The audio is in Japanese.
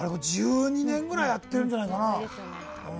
１２年ぐらいやってるんじゃないかな？